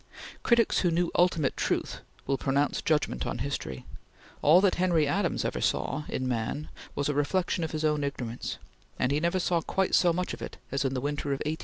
Critics who know ultimate truth will pronounce judgment on history; all that Henry Adams ever saw in man was a reflection of his own ignorance, and he never saw quite so much of it as in the winter of 1860 61.